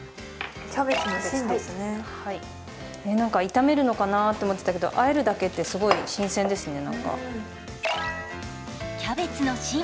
炒めるのかなと思ってたけど和えるだけってすごい新鮮ですね。